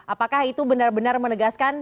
apakah itu benar benar menegaskan